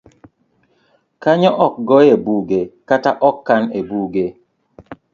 Kanyo ok goye buge kata ok kan e buge.